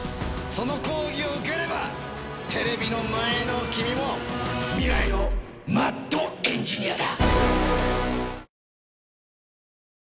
その講義を受ければテレビの前の君も未来のマッドエンジニアだ。